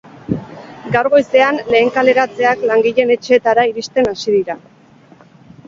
Gaur goizean, lehen kaleratzeak langileen etxeetara iristen hasi dira.